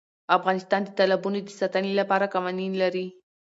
افغانستان د تالابونو د ساتنې لپاره قوانین لري.